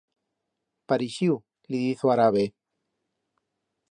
Parixiu, li diz o arabe.